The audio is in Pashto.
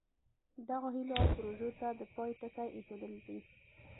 دغو هیلو او پروژو ته د پای ټکی ایښودل دي.